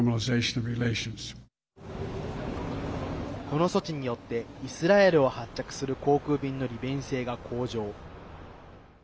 この措置によってイスラエルを発着する航空便の利便性が向上。